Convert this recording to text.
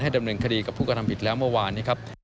ให้ดำเนินคดีกับผู้กระทำผิดแล้วเมื่อวาน